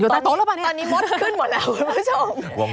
ตอนนี้มดขึ้นหมดแล้วคุณผู้ชม